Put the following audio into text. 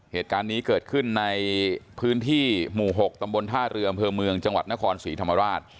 เหตุการณ์นี้เกิดขึ้นในพื้นที่หมู่๖ตำบลท่าเรืออำเภอเมืองจังหวัดนครศรีธรรมราช